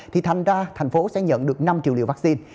thì thành ra thành phố sẽ nhận được năm triệu liều vaccine